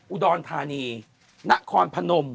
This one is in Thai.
อุดรธานีนครพนม